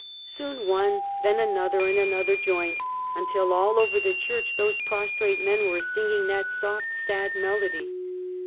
Soon one, then another and another joined, until all over the church these prostrate men were singing that soft, sad melody.